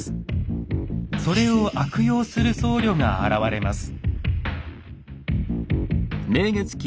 それを悪用する僧侶が現れます。